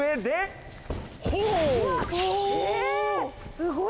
すごい！